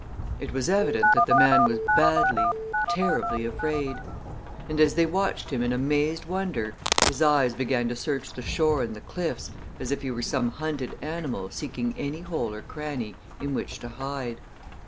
It was evident that the man was badly, terribly afraid and as they watched him in amazed wonder his eyes began to search the shore and the cliffs as if he were some hunted animal seeking any hole or cranny in which to hide.